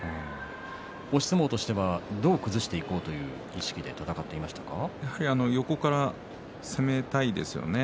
押し相撲としてはどう崩していこうという意識で横から攻めたいですよね。